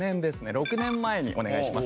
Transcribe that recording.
６年前にお願いします。